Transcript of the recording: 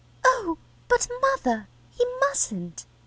Oh, but, mother, he mustn't.